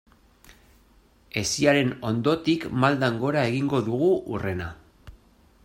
Hesiaren ondotik maldan gora egingo dugu hurrena.